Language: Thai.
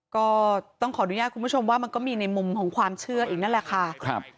ก็ต้องขออนุญาตคุณผู้ชมว่ามันก็มีในมุมของความเชื่ออีกนั่นแหละค่ะ